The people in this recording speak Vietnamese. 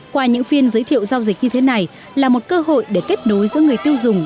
qua những phiên giới thiệu giao dịch như thế này là một cơ hội để kết nối giữa người tiêu dùng